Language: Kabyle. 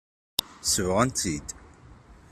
Sebɣen-tt-id.